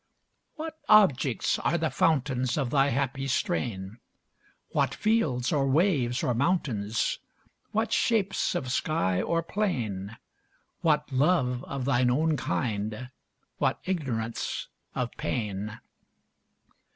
What objects are the fountains Of thy happy strain? What fields, or waves, or mountains? What shapes of sky or plain? What love of thine own kind? what ignorance of pain?